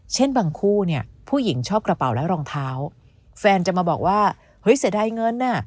เช่นบางคู่เนี่ยผู้หญิงชอบกระเป๋าและรองเท้าแฟนจะมาบอกว่าเฮ้ยเสียดายเงินน่ะ